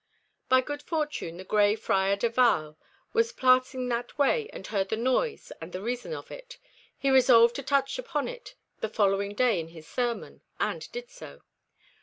By good fortune the Grey Friar De Vallès was passing that way and heard the noise and the reason of it. He resolved to touch upon it the following day in his sermon, and did so.